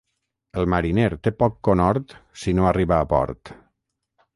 El mariner té poc conhort, si no arriba a port.